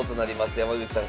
山口さん